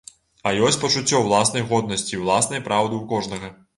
А ёсць пачуццё ўласнай годнасці і ўласнай праўды ў кожнага.